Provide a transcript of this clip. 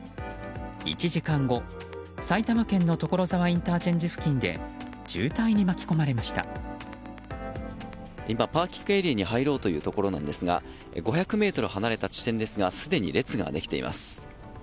１時間後埼玉県の所沢ＩＣ付近でパーキングエリアに入ろうというところですが５００ｍ離れた地点ですがすでに列ができています。